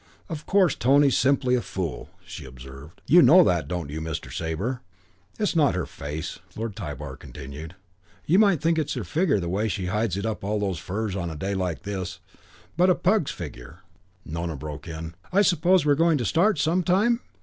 "Of course Tony's simply a fool," she observed. "You know that, don't you, Mr. Sabre?" "It's not her face," Lord Tybar continued. "You might think it's her figure the way she hides it up under all those furs on a day like this. But a pug's figure " Nona broke in. "I suppose we're going to start some time?"